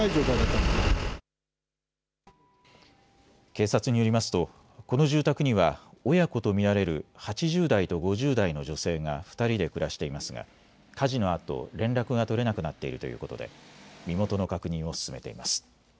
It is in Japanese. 警察によりますとこの住宅には親子と見られる８０代と５０代の女性が２人で暮らしていますが火事のあと連絡が取れなくなっているということで身元の確認を進めています。